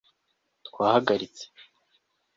twahagaritse